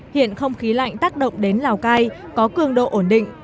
hiện không khí lạnh tác động đến lào cai có cường độ ổn định